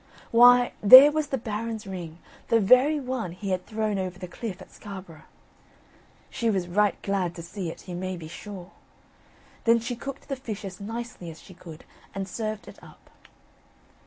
Why, there was the Baron's ring, the very one he had thrown over the cliff at Scarborough. She was right glad to see it, you may be sure. Then she cooked the fish as nicely as she could, and served it up.